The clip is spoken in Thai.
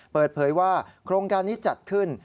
เปิดเผยว่าโครงการนี้จัดขึ้น